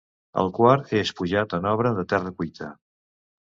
El quart és pujat en obra de terra cuita.